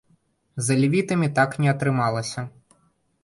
З алевітамі так не атрымалася.